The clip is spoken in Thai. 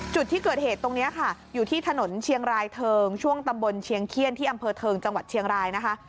จุดที่เกิดเหตุตรงนี้ค่ะอยู่ที่ถนนเชียงรายเทิงช่วงตำบลเชียงเขี้ยนที่อำเภอเทิงจังหวัดเชียงรายนะคะ